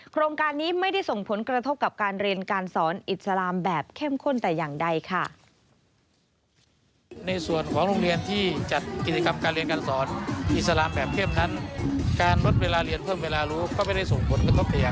โครงการนี้ไม่ได้ส่งผลกระทบกับการเรียนการสอนอิสลามแบบเข้มข้นแต่อย่างใดค่ะ